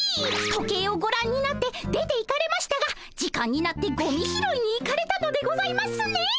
時計をごらんになって出ていかれましたが時間になってゴミ拾いに行かれたのでございますね！